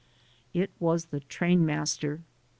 It was the train master.